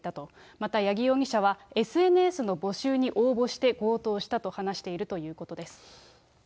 また八木容疑者は、ＳＮＳの募集に応募して強盗したと話しているということです。